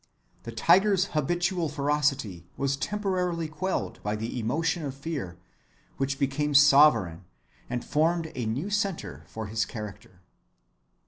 The tiger's habitual ferocity was temporarily quelled by the emotion of fear, which became sovereign, and formed a new centre for his character.